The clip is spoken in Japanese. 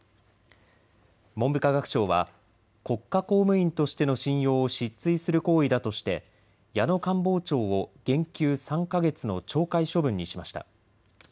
文部科学省は国家公務員としての信用を失墜する行為だとして矢野官房長を減給３か月の懲戒処分にしました。